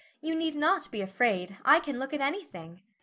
"You need not be afraid, I can look at anything."